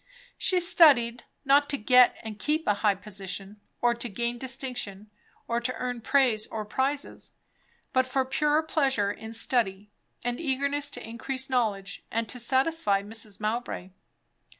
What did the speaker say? She studied, not to get and keep a high position, or to gain distinction, or to earn praise or prizes, but for pure pleasure in study and eagerness to increase knowledge and to satisfy Mrs. Mowbray.